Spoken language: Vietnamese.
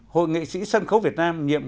hội nghệ sĩ sân khấu việt nam